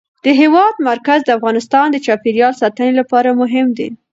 د هېواد مرکز د افغانستان د چاپیریال ساتنې لپاره مهم دي.